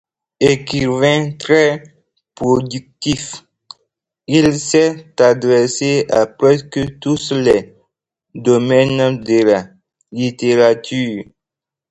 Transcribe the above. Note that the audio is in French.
Écrivain très productif, il s'est adressé à presque tous les domaines de la littérature.